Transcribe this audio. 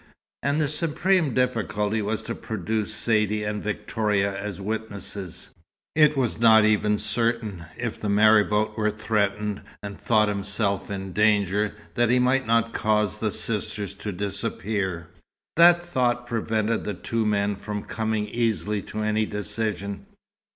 And the supreme difficulty was to produce Saidee and Victoria as witnesses. It was not even certain, if the marabout were threatened and thought himself in danger, that he might not cause the sisters to disappear. That thought prevented the two men from coming easily to any decision.